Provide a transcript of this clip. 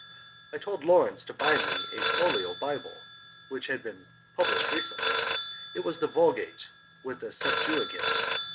I told Lawrence to buy me a folio Bible, which had been published recently; it was the Vulgate with the Septuagint.